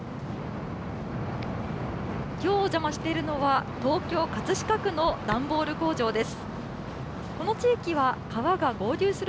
きょうお邪魔しているのは、東京・葛飾区の段ボール工場です。